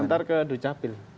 ntar ke ducapil